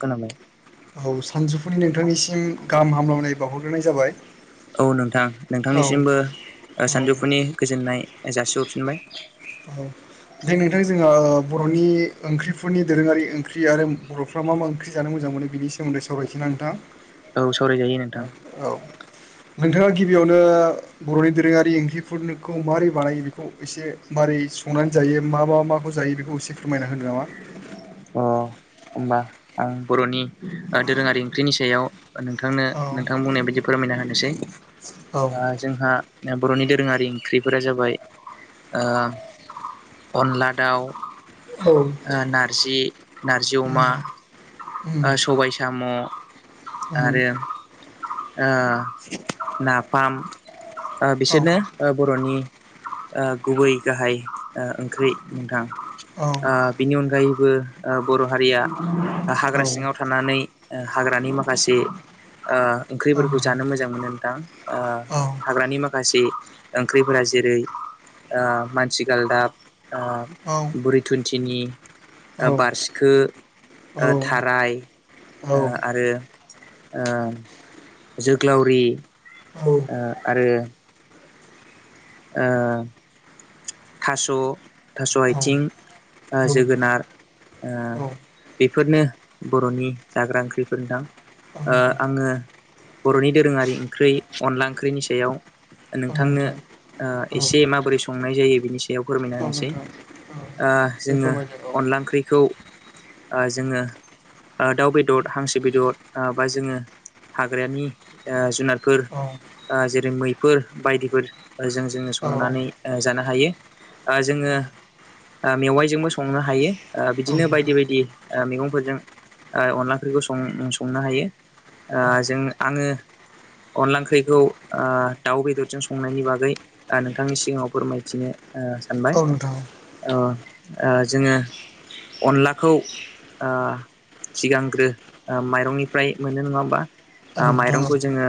खोनाबाय? औ सानजौफुनि नोंथांनिसिम गाहाम हामलायनाय बावहरग्रोनाय जाबाय। औ नोंथां औ नोंथांनिसिमबो औ सानजौफुनि गोजोननाय जासिहरफिनबाय। औ दे नोंथां जोंहा बर'नि ओंख्रिफोरनि दोरोङारि ओंख्रि आरो बर'फ्रा मा मा ओंख्रि जानो मोजां मोन बिनि सोमोनदै सावरायसैना नोंथां। औ सावरायजायो नोंथां। औ नोंथाङा गिबियावनो बर'नि दोरोङारि ओंख्रिखौ माबोरै बानायो बेखौ एसे मारै संनानै जायो मा मा माखौ जायो बेखौ एसे फोरमायना होनो नामा? अ होमबा आं बर'नि दोरोङारि ओंख्रिनि सायाव नोंथांनो औ नोंथां बुंनाय बायदि फोरमायना होनोसै औ जोंहा बर'नि दोरोङारि ओंख्रिफोरा जाबाय अनला दाउ औ जि नारजि अमा उम ओ सबाय सो साम' उम आरो नाफाम औ बिसोरनो बर'नि गुबै गाहाय ओंख्रि नोंथां। औ बिनि अनगायैबो बर' हारिया औ हाग्रा सिङाव थानानै हाग्रानि माखासे ओंख्रिफोरखौ नोंथां जानो मोजां मोनो नोंथां औ हाग्रानि माखासे ओंख्रिफोरा जेरै मानसिगाल दाब बुरि थुुनथिनि। औ बारसिखो ओ औ औ थाराय औ आरो ओ जोग्लावरि। आरो ओ थास' थास' औ आइथिं। ओ नोंथां जोगोनार ओ औ बेफोरनो बर'नि जाग्रा ओंख्रिफोर नोंथां औ ओ नोंथां आङो बर'नि दोरोङारि ओंख्रै अनला ओंख्रैनि सायाव औ नोंथांनो नोंथां औ एसे माबोरै संनाय जायो बिनि सायाव फोरमायना औ होनोसै। नोंथां औ दे जोङो फोरमायदो औ अनला ओंख्रिखौ जोङो दाउ बेदर हांसो बेदर बा जोङो हाग्रानि जुनारफोर औ जेरै मैफोर बायदिफोर जों जोङो औ संनानै जानो हायो औ जोङो। मेवाइजोंबो संनो हायो औ बिदिनो बायदि नोंथां बायदि मैगंफोरजों अनला ओंख्रिखौ संनो हायो औ जों आङो अनदला ओंख्रिखौ दाउ बेदरजों संनायनि बागै नोंथांनि सिगाङाव फोरमायथिनो सानबाय औ नोंथां जोङो अनलाखौ सिगांग्रो माइरंनिफ्राय मोनो नङाबा औ नोंथां माइरंखौ जोङो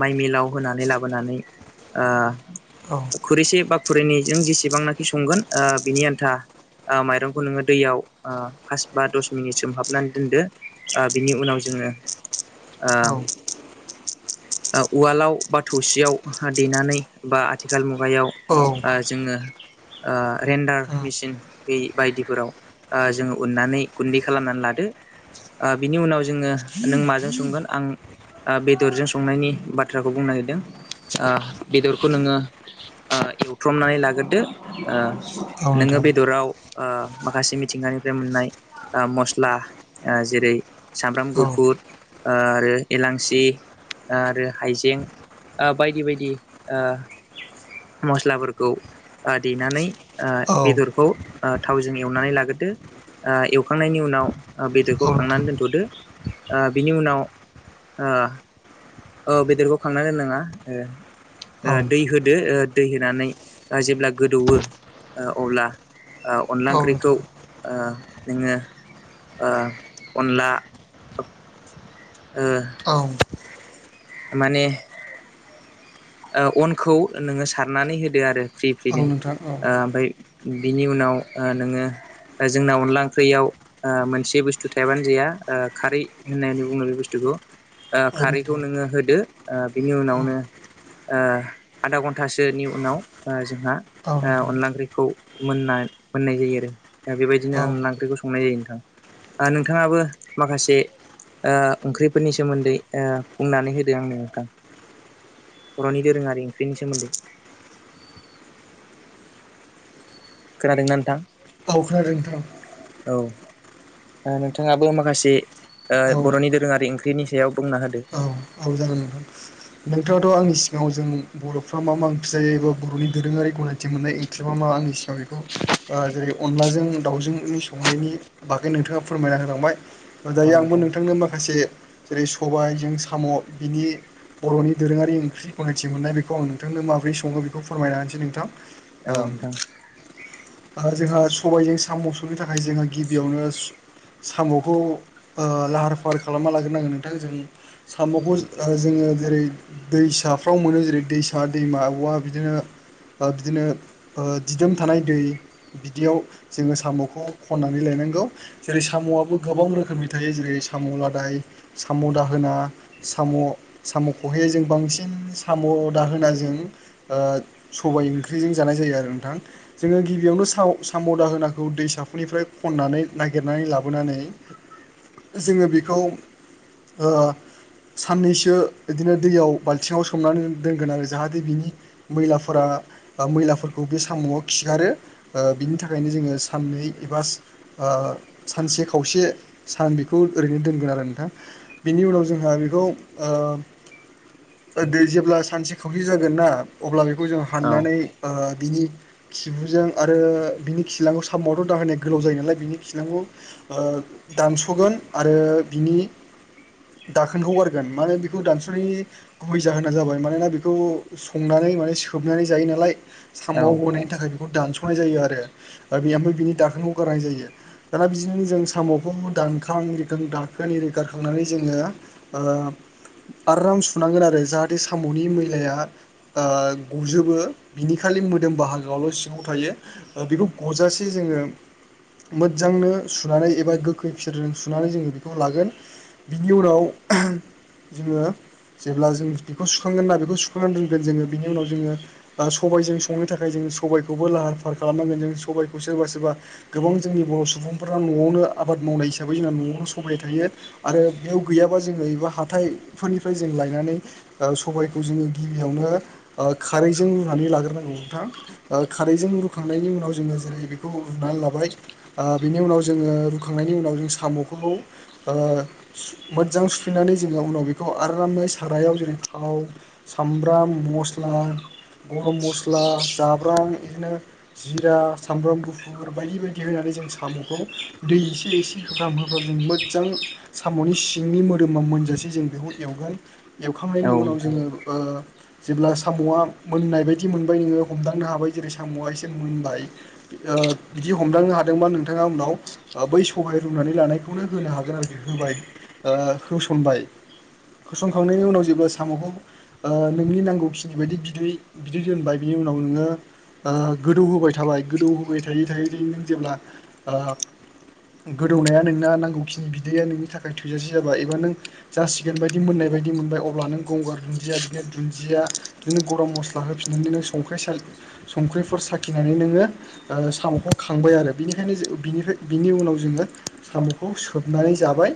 माइ मिलाव होनानै लाबोनानै ओ औ नोंथां औ नोंथां औ खुरैसे बा खुरैनैजों जेसेबांनाखि संगोन ओ बिनि आन्था ओ माइरंखौ नोङो दैयाव ओ फास बा दस मिनिट सोमहाबनानै दोनदो ओ बिनि उनाव जों जोङो औ औ उवालाव बा थौसियाव देनानै बा आथिखाल मुगायाव औ नोंथां औ नोंथां औ ओ जोङो ओ रेन्डार मेसिन बे बायदिफोराव ओ जोङो उननानै गुन्दै खालामनानै लादो ओ बिनि उनाव जोङो नों माजों संगोन आं आ बेदरजों संनायनि बाथ्राखौ बुंनो नागिरदों आ बेदरखौ नोङो एवथ्रमनानै लाग्रोदो आ नोङो खोनादों बेदराव आ माखासे मिथिंगानिफ्राय मोननाय आ मस्ला जेरै सामब्राम गुफुर आरो एलांसि आरो हायजें ओ बायदि बायदि ओ मस्लाफोरखौ ओ देनानै बेदरखौ ओ थावजों एवनानै लाग्रोदो ओ एवखांनायनि उनाव बेदरखौ खांनानै दोनथ'दो ओ बिनि उनाव ओ औ बेदरखौ खांना दोननाङा ओ दै होदो ओ दै होनानै जेब्ला गोदौवो अब्ला ओ अनला ओंख्रिखौ ओ नोङो ओ अनला ओ माने आ अनखौ नोङो सारनानै होदो आरो फ्रि फ्रिनो नोंथां ओ ओमफ्राय बिनि उनाव ओ नोङो जोंना अनला ओंख्रियाव ओ मोनसे बुस्थु थायाबानो जाया ओ खारै होननानै बुङो बे बुस्थुखौ ओ खारैखौ नोङो होदो ओ बिनि उनावनो ओ आधा घन्टासोनि उनाव ओ जोंहा औ खौ मोन मोननाय जायो आरो दा बेबायदिनो आं लांख्रिखौ संनाय जायो नोंथां ओ नोंथाङाबो माखासे ओ ओंख्रिफोरनि सोमोन्दै बुंनानै होदों आंनो नोंथां [unintelligible] बर'नि दोरोङारि ओंख्रिनि सोमोन्दै खोनादों ना नोंथां औ खोनादों नोंथां औ नोंथाङाबो माखासे ओ औ बर'नि दोरोङारि ओंख्रि ख्रिनि सायाव बुंना होदो औ औ जागोन नोंथां नोंथाङाथ' आंनि सिगाङाव जों बर'फ्रा मा मा ओंख्रि जायो एबा बर'नि दोरोङारि गनायथि थि मोननाय ओंख्रिबा मा आंनि सिगां बेखौ जेरै अनलाजों दावजोंनि संनायनि बागै नोंथाङा फोरमायना होलांबाय दायो औ आंबो नोंथां नोंथांनो माखासे जेरै सबायजों साम' बिनि बर'नि दोरोङारि ओंख्रि गनायथि मोननाय बेखौ आं नोंथांनो माबोरै सङो बेखौ फोरमायनो होनसै नोंथां औ नोंथां आ जोंहा सबायजों साम'सुनो थाखाय जोंहा गिबियावनो साम'खौ ओ लाहार फाहार खालामना लाग्रोनांगोन नोंथां जों साम ख जोङो जेरै दैसाफ्राव मोनो जेरै दैसा दैमाबा वा बिदिनो ओ बिदिनो दिदोम थानाय दै बिदियाव जोङो साम'खौ खननानै लाय नांगौ जेरै साम'आबो गोबां रोखोमनि थायो जेरै साम' लादाय साम' दाहोना साम' साम' खहे जों बांसिन साम' दाहोनाजों ओ सबाय ओंख्रिजों जानाय जायो आरो नोंथां जोङो गिबियावनो साम साम'दाहोनाखौ दैसाफोरनिफ्राय खनानै नागिरनानै लाबोनानै जोङो बेखौ साननैसो बिदिनो दैयाव बाल्थिङाव सोमनानै दोनगोन आरो जाहाथे बिनि मैलाफोरा मैलाफोरखौ बे साम'आव खिगारो बिनि थाखायनो जोङो साननै एबा सानसे खावसे सान बेखौ ओरैनो दोनगोन आरो नोंथां बेनि उनाव जोंहा खौ ओ ओ दै जेब्ला सानसे खावसे जागोनना अब्ला बेखौ खौ जों औ हाननानै ओ बिनि खिबुजों आरो बिनि खिलांखौ साम'आथ' दाह होनाया गोलाव जायो नालाय बिनि खिलांखौ दानस'गोन आरो बिनि द खौ गारगोन माने बेखौ दानस'नायनि गुबै जाहोना जाबाय मानोना बेखौ संनानै माने सोबनानै जायो नालाय औ साम'आव गनायनि थाखाय बेखौ दानस' नाय जायो आरो आ बियो आरो बिनि दाखोनखौ गारनाय जायो दाना बिदिनो जों साम'खौ दानखा आं इरिखां दानखां इरिखां खांनानै जोङो ओ आराम सुनांगोन आरो जाहाथे साम'नि मैलाया गजोबो बिनि खालि मोदोम बाहागोआवल' सिङाव थायो बेखौ गजासे जों जोङो मोजांनो सुनानै एबा गोखै फिथोरजों सुनानै जोङो बेखौ लागोन बिनि उनाव जोङो जेब्ला जों बेखौ सुखांगोन ना बेखौ सुखांनानै दोनगोन जोङो बिनि उनाव जोङो बा सबबायजों संनो थाखाय जोङो सबबायखौबो लाहार फाहार खालामनांगोन जों सबबायखौ सोरबा सोरबा गोबां जोंनि बर' सुबुंफोरा न'आवनो आ आबाद मावनाय हिसाबै जोंना न'आवनो सबाय थायो आरो बेयाव गैयाब ख जोङो एबा हााइफोरनिफ्राय जों लायनानै ओ सबायखौ जोङो गिबियावनो खारैजों रुनानै लाग्रोनांगौ नोंथां खारैजों रुखांनायनि उनाव जोङो जेरै बेखौ रुनानै लाबाय बिनि उनाव जोङो रुखांनायनि उनाव जों साम'खौ मोजां सुफैनानै जोङो उनाव बेखौ आरामै सारायाव जेरै थाव सामब्राम मस्ला [unintelligible] गरम मस्ला जाब्रां बिदिनो जिरा सामब्राम गुफुर बायदि बायदि होनानै जों साम'खौ दै एसे एसे होफ्राम होफ्राम जोङो मोदजां साम'नि सि सिंनि मोदोमा मोनजासेै जों बेखौ एवगोन औ एवखांनायनि उनाव नोंथां जोङो जेब्ला साम'आ मोननाय बायदि मोनबाय नोङो हमदांनो हाबाय जेरै साम'आ एसे मोनबाय बिदि हमदांनो हादोंबा नोंथाङा उनाव बै सहाय रुनानै लानायखौनो होनो हागोन आरोखि होबाय होसनबाय होसंखांनायनि उनाव जेबो साम'खौ नोंनि नांगौ फिनि बायदि बिदै बिदै दोनबाय बिनि उनाव नोङो ओ गोदौ होबाय थाबाय गोदौ होबाय थायै थायै थायैनो जेब्ला ओ गोदौनाया नोंना नांगौखिनि बिदैया नोंनि थाखाय थै थैजासे जाबाय एबा नों जासिगोन बायदि मोननाय बायदि मोनबाय अब्ला नों गंगार दुन्दिया बिदिनो दुन्दिया बिदिनो गरम मस्ला होफिननानैनोंख्रि संख्रिफोर साखिनानै नोङो साम' खौ खांबाय आरो बिनिखायनो बिनिफ्राय बिनि उनाव जोङो साम'खौ सोबनानै जाबाय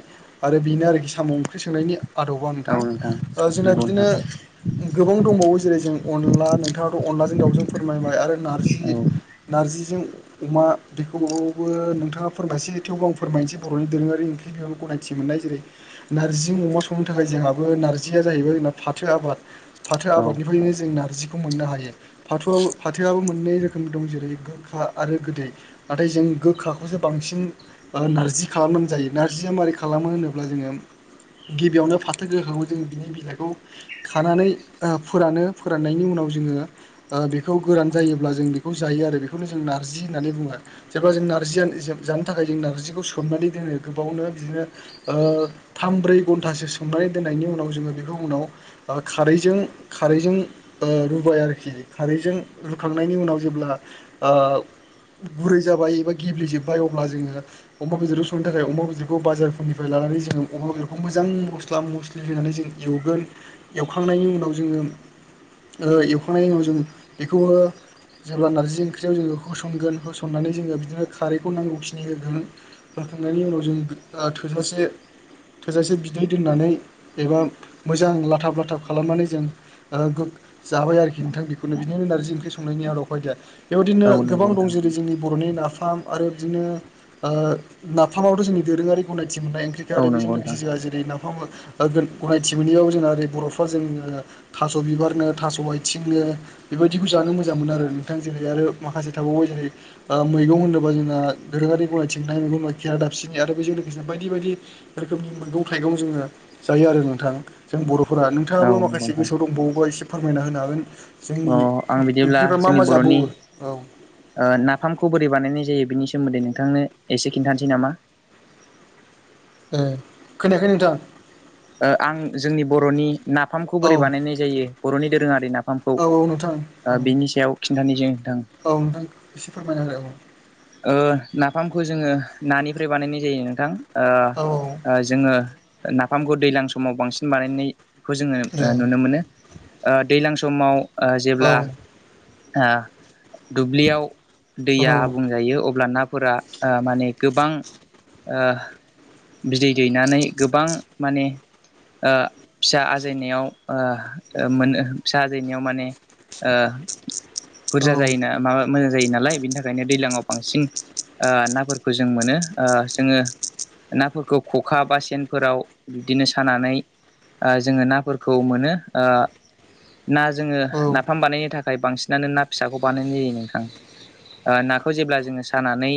आरो बेनो आरोखि साम' ओंख्रि संनायनि आदबा औ नोंथां जोंना नंगौ बिदिनो नोंथां गोबां दंबावो जेरै जों अनला नोंथाङाथ' अनलाजों दाउजों फोरमायबाय आरो नारजि औ नारजिजों अमा बेखौबो नोंथाङा फोरमायसै थेवबो आं फोरमायनोसै बर'नि दोरोङारि ओंख्रि बेयावनो गनाय मोननाय जेरै नारजि अमा संनो थाखाय जोंहाबो नारजिया जाहैबाय जों फाथो आबाद फाथो फाथो औ आबादनिफ्रायनो जों नारजखौ मोननो हायो फाथ फाथोआबो मोननै रोखोम दं जेरै गोखा आरो गोदै नाथाय जों गोखाखौसो बांसिन नारजि खालामनानै जायो नारजिया मारै खालामो होनोब्ला जोङो गिबियावनो फाथो गोहोखौ जों बिनि बिलाइखौ खानानै फोरानो फोराननायनि उनाव गोरान जायोब्ला जों बेखौ जायो आरो बेखौनो जों नारजि होननानै बुङो जेब्ला जों जों नारजियानो जानो थाखाय जों नारजिखौ सोमनानै दोनो गोबावनो बिदिनो थाम ब्रै घन्टासो सोमनाय दोननायनि उनाव जोङो बेखौ उनाव खारैजों खारैजों रुबाय आरोखि खारैजों रुखांनायनि उनाव जेब्ला गुरै जाबाय एबा गेब्लेजोबबाय अब्ला जोङो अमा बेदरजों संनो थाखाय अमा बेदखौ बाजार निफ्राय लानानै जोङो अमा बेदरखौ मोजां मस्ला मस्लि होनानै जों एवगोन एवखांनायनि उनाव जो जोङो ओ एवखांनायनि उनाव जों बिखौनो जेब्ला नारजि ओंख्रियाव जोङो होसनगोन होसननानै जोङो बिदिनो खारैखौ नांगौ खिनि होगोन होखांनायनि उनाव जों ओ थोजासे थोजासे बिदै दोननानै एबा मोजां लाथाब लाथाब खालामनानै जों ओ गोख जाबाय आरोखि नोंथां बिखौनो बिनिनो नारजि ओंख्रि संनायनि आदब खायदाया। बेबिदिनो औ गोबां नंगौ दं नोंथां जेरै जोंनि बर'नि नाफाम आरो बिदिनो ओ नाफामावथ' जोंनि दोरोङारि थि मोननाय ओंख्रिखो औ आरो बेजों नंगौ लोगोसे नोंथां जोंहा जेरै नाफाम [unintelligible] गनायथि मोनैयाव जोंना ओरै बर'फ्रा जोङो थास' बिबारनो थास' आथिंनो बे बायदिखौ जानो मोजां मोनो आरो नोंथां जेरै आरो माखासे थाबाव जेरै ओ मैगं होनदोबा जों दोरो ङारि गनायथि मोन्नाय [unintelligible] खेरा दाफिनि आरो बैजों लो [unintelligible] बायदि बायदि रोखोमनि मैगं थाइगं जोङो जायो आरो नोंथां जों बर' फोरा नोंथाङाबो औ नंगौ माखासे नोंथां गोसोआव दंबावोबा एसे फोरमायना होनो हागोन। जोंनि अ आं बिदिब्ला ओंख्रिफ्रा मा जोंनि मा जाबावो बर'नि औ ओ नाफामखौ बोरै बानायनाय जायो बिनि सो सोमोन्दै नोंथांनो एसे खिन्थानसै नामा ए खोनायाखै नोंथां। ओ आं जोंनि बर'नि नाफामखौ औ बोरै बानायनाय जायो बर'नि दोरोङारि नाफामखौ औ औ नोंथां औ ओ बिनि सायाव खिन्थानोसै नोथां औ नोंथांखौ एसे फोरमायना हो औ ओ नाफामखो जोङो नानिफ्राय बानायनाय जायो नोंथां। ओ औ ओ जोङो नाफामखौ दैलां समाव बांसिन बानायनाय खौ जोङो ए ओ नुनो मोनो ओ दैलां समाव ओ औ जेब्ला ओ दुब्लियाव औ दैया औ यो अब्ला नाफोरा आ माने गोबां ओ बिदै दैनानै गोबां माने ओ फिसा आजायनायाव ओ मोन फिसा आजायनायाव माने ओ बुरजा जायोना माबा मोजां जायो नालाय बिनि थाखायनो दैलाङाव बांसिन ओ नाफोरखौ जों मोनो ओ जोङो नाफोरखौ ख'खा बा सेनफोराव बिब्दिनो सानानै आ जोङो नाफोरखौ मोनो ओ ना जोङो औ नाफाम बानायनो थाखाय बांसिनानो ना फिसाखौ बानायनाय जायो नोंथां। ओ नाखौ जेब्ला जोङो सानानै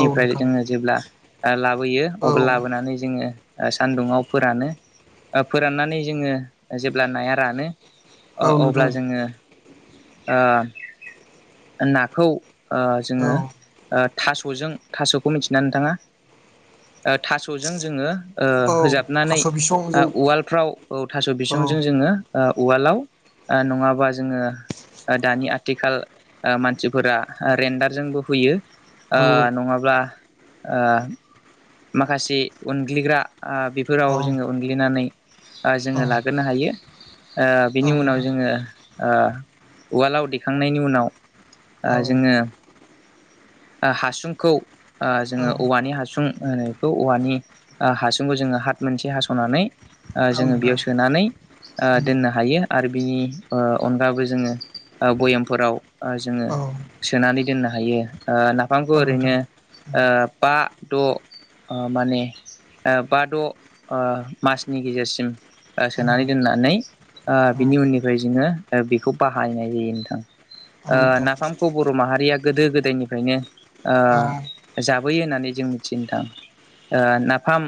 औ नोंथां जोङो जेब्ला ओ लाब बोयो औ अब लाबोनानै जोङो ओ सान्दुङाव फोरानो ओ फोराननानै जोङो ओ जेब्ला नाया रानो अ औ अब्ला नोंथां जोङो ओ नाखौ ओ औ जोङो ओ थास'जों थास'खौ मोनथिना नोंथाङा? ओ थास'जों जोङो ओ औ होजाबनानै थास' आ बिसंजों उवालफ्राव औ थास' औ बिसंजों जोङो ओ उवालाव ओ नङाबा जोङो ओ दानि आथिखाल ओ मानसिफोरा ओ रेन्डारजोंबो हुयो ओ औ नङाब्ला‌ ओ माखासे उनग्लिग्रा आ औ बेफोराव जोङो उनग्लिनानै आ औ जोङो लागोनो हायो ओ बिनि उनाव नोंथां जोङो ओ उवालाव देखांनायनि उनाव आ औ नोंथां औ जोङो ओ हासुंखौ ओ जोङो औवानि हासुं ओरै। खौ औवानि आ हासुंखौ जोङो हाथ मोनसे हास'नानै। आ जोङो नोंथां बेयाव सोनानै आ औ दोननो हायो आरो। बिनि ओ अनगाबो जोङो ओ भयामफोराव आ जोङो औ सोनानै। दोननो हायो ओ नाफामखौ ओरैनो ओ बा। द' माने बा द' मासनि गेजेरसिम ओ सोनानै दोननानै ओ बिनि उननिफ्राय जोङो बेखौ बाहायनाय जायो नोंथां‌। औ ओ नोंथां नाफामखौ बर' माहारिया गोदो गोदायनिफ्रायनो औ ओ जाबोयो होननानै जों मिथिनो नोंथां ओ नाफाम